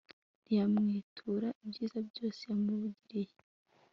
ntiyamwitura ibyiza byose yamugiriye